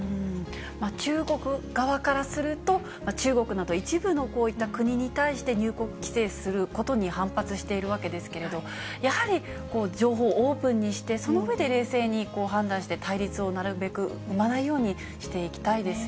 中国側からすると、中国など一部のこういった国に対して、入国規制することに反発しているわけですけれど、やはり情報、オープンにして、その上で冷静に判断して、対立をなるべく生まないようにしていきたいですよ